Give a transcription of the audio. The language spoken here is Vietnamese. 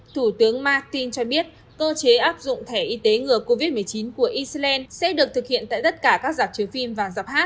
thủ tướng martin cho biết cơ chế áp dụng thẻ y tế ngừa covid một mươi chín của iceland sẽ được thực hiện tại tất cả các giạp chiếu phim và giọt hát